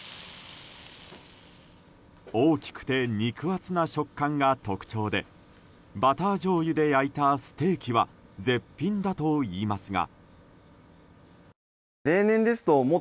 大きくて肉厚な食感が特徴でバターじょうゆで焼いたステーキは絶品だといいますが。